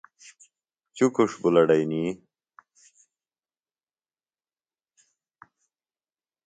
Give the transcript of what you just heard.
چُکُݜ بُلڈئنی۔